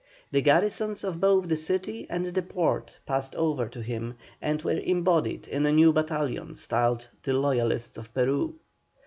The garrisons of both the city and the port passed over to him, and were embodied in a new battalion styled "The Loyalists of Peru."